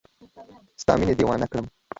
ستا مینې دیوانه کړم